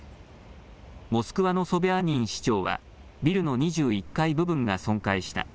モスクワのソビャーニン市長はビルの２１階部分が損壊した。